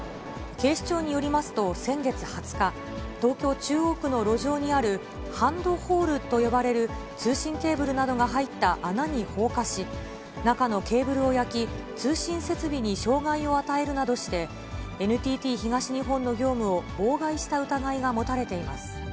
警視庁によりますと、先月２０日、東京・中央区の路上にある、ハンドホールと呼ばれる通信ケーブルなどが入った穴に放火し、中のケーブルを焼き、通信設備に障害を与えるなどして、ＮＴＴ東日本の業務を妨害した疑いが持たれています。